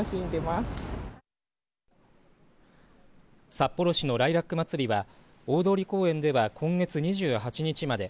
札幌市のライラックまつりは大通公園では今月２８日まで